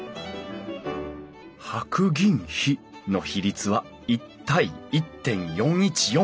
白銀比の比率は１対１．４１４。